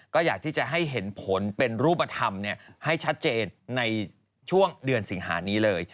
ก็อยากที่จะให้เห็นผลเป็นรูปธรรมให้ชัดเจนในช่วงเดือนสิงหานี้เลย